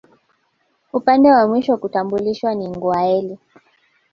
Upande wa mwisho kutambulishwa ni Ngwâeli